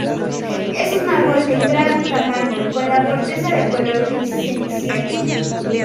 Es un árbol de gran tamaño con la corteza de color gris ceniciento.